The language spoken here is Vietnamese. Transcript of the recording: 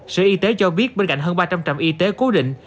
sở y tế cho biết bên cạnh hơn ba trăm linh trạm y tế cố định